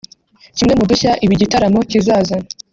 Kimwe mu dushya ibi gitaramo kizazana